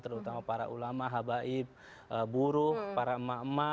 terutama para ulama habaib buruh para emak emak